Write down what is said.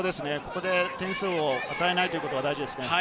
ここで点数を与えないということが大事ですね。